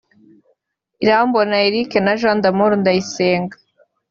Irambona Eric na Jean D’Amour Ndayisenga